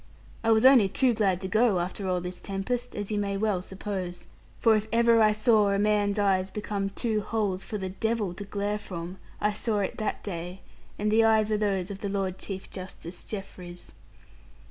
I was only too glad to go, after all this tempest; as you may well suppose. For if ever I saw a man's eyes become two holes for the devil to glare from, I saw it that day; and the eyes were those of the Lord Chief Justice Jeffreys.